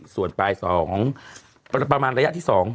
ส่วนปลายสองประมาณระยะที่สอง